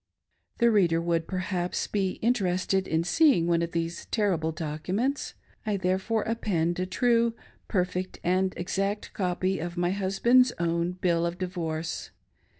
The reader would, perhaps, be interested in seeing one of these terrible documents. I therefore append a true, perfect, and exact copy of my husband's own bill of di vorce.